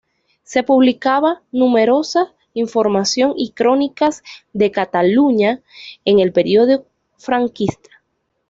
Se publicaba numerosa información y crónicas de Cataluña en el periodo franquista.